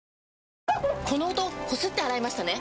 この音こすって洗いましたね？